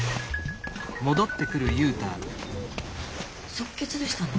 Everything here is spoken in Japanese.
即決でしたね。